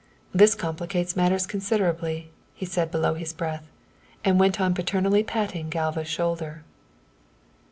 "This complicates matters considerably," he said below his breath, and went on paternally patting Galva's shoulder.